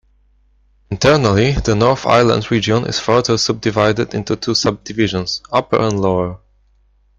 Internally, the North Island region is further subdivided into two sub-divisions: Upper and Lower.